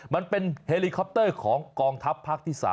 มันเป็นเฮลิคอปเตอร์ของกองทัพภาคที่๓